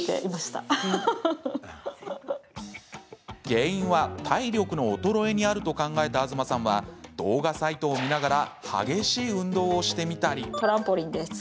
原因は体力の衰えにあると考えた東さんは動画サイトを見ながら激しい運動をしてみたり。